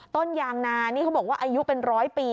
ต้นยางนานี่เขาบอกว่าอายุเป็นร้อยปี